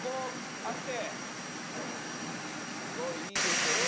すごいいいですよね